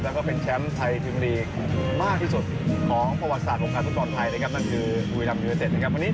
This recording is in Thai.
แล้วก็เป็นแชมป์ไทยปริมาณีมากที่สุดของประวัติศาสตร์โรงการสุดของไทยนะครับ